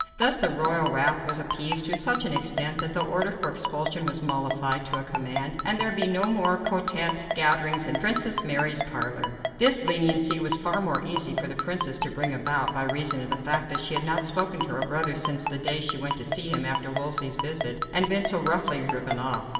Thus the royal wrath was appeased to such an extent that the order for expulsion was modified to a command that there be no more quartette gatherings in Princess Mary's parlor. This leniency was more easy for the princess to bring about, by reason of the fact that she had not spoken to her brother since the day she went to see him after Wolsey's visit, and had been so roughly driven off.